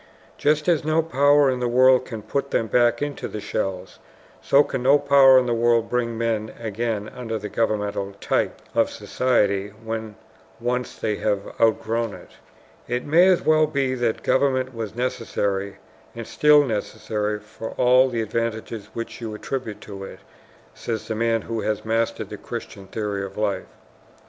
Just as no power in the world can put them back into the shells, so can no power in the world bring men again under the governmental type of society when once they have outgrown it. "It may well be that government was necessary and is still necessary for all the advantages which you attribute to it," says the man who has mastered the Christian theory of life.